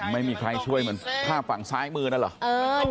ไม่มีใครช่วยเหมือนภาพฝั่งซ้ายมือนั่นเหรอ